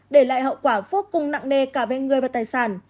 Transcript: để lại hậu quả vô cùng nặng nề cả về người và tài sản